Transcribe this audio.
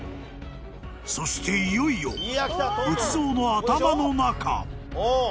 ［そしていよいよ仏像の頭の中］